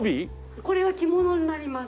これは着物になります。